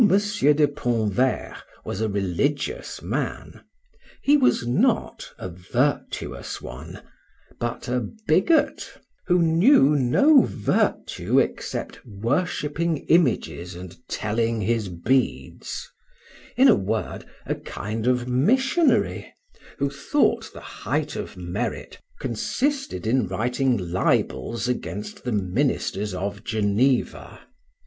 de Pontverre was a religious man, he was not a virtuous one, but a bigot, who knew no virtue except worshipping images and telling his beads, in a word, a kind of missionary, who thought the height of merit consisted in writing libels against the ministers of Geneva.